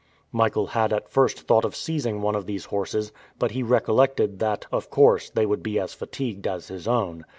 Michael had at first thought of seizing one of these horses, but he recollected that, of course, they would be as fatigued as his own.